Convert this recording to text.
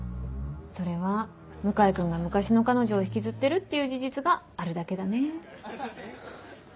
それは向井君が昔の彼女を引きずってるっていう事実があるだけだね。